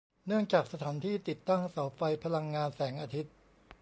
เนื่องจากสถานที่ติดตั้งเสาไฟพลังงานแสงอาทิตย์